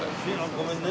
ごめんね。